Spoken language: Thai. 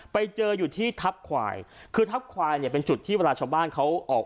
ไปเจออยู่ที่ทัพควายคือทัพควายเนี่ยเป็นจุดที่เวลาชาวบ้านเขาออก